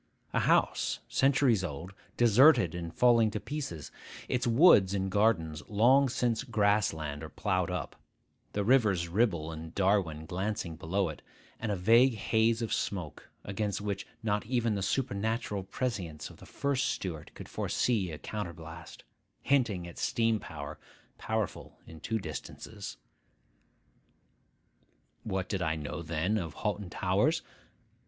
A house, centuries old, deserted and falling to pieces, its woods and gardens long since grass land or ploughed up, the Rivers Ribble and Darwen glancing below it, and a vague haze of smoke, against which not even the supernatural prescience of the first Stuart could foresee a counter blast, hinting at steam power, powerful in two distances. What did I know then of Hoghton Towers?